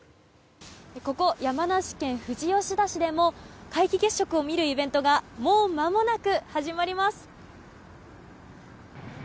ここ山梨県富士吉田市でも皆既月食を見るイベントがもうまもなく始まります。